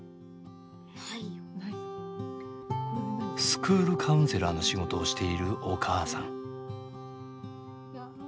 スクールカウンセラーの仕事をしているお母さん。